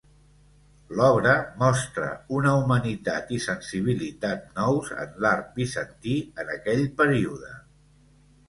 L'obra mostra una humanitat i sensibilitat nous en l'art bizantí en aquell període.